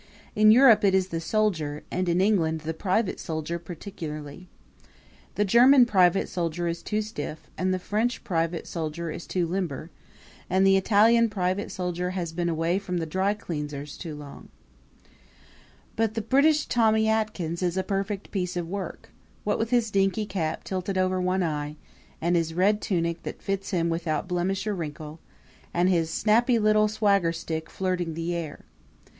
In Europe it is the soldier, and in England the private soldier particularly. The German private soldier is too stiff, and the French private soldier is too limber, and the Italian private soldier has been away from the dry cleanser's too long; but the British Tommy Atkins is a perfect piece of work what with his dinky cap tilted over one eye, and his red tunic that fits him without blemish or wrinkle, and his snappy little swagger stick flirting the air.